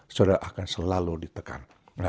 saudara akan selalu ditekan